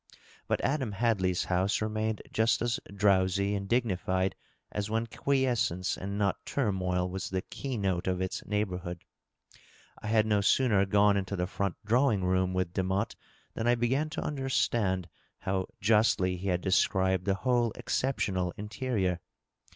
But Adam Hadley's house remained just as drowsy and dignified as when quiescence and not turmoil was the key note of its neighborhood. I had no sooner gone into the front drawing room with Demotte than I began to understand how justly he had described the whole exceptional interior.